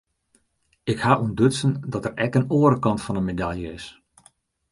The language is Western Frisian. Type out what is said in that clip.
Ik haw ûntdutsen dat der ek in oare kant fan de medalje is.